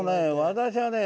私はね